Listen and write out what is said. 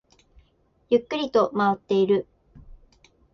ゆっくりと回っている